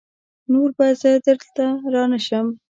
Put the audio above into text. نور به زه دلته رانشم!